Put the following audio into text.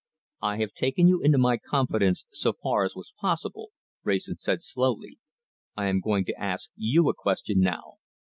"I have taken you into my confidence so far as was possible," Wrayson said slowly. "I am going to ask you a question now."